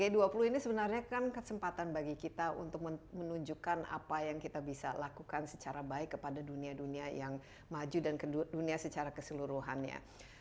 g dua puluh ini sebenarnya kan kesempatan bagi kita untuk menunjukkan apa yang kita bisa lakukan secara baik kepada dunia dunia yang maju dan dunia secara keseluruhannya